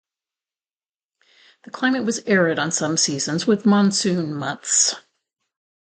The climate was arid on some seasons with monsoon months.